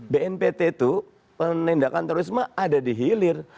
bnpt itu penindakan terorisme ada di hilir